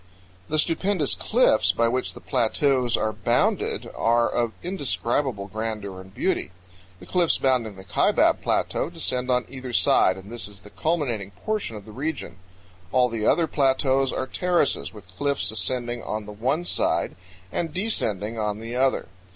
The stupendous cliffs by which the plateaus are bounded are of indescribable grandeur and beauty. The cliffs bounding the Kaibab Plateau descend on either side, and this is the culminating portion of the region. All the other plateaus are terraces, with cliffs ascending on the one side and descending on the other.